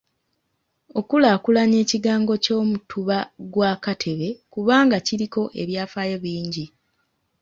Okulaakulanya ekigango ky'Omutuba gwa Katebe kubanga kiriko ebyafaayo bingi.